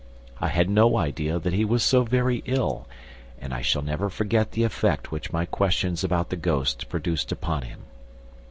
I had no idea that he was so very ill, and I shall never forget the effect which my questions about the ghost produced upon him.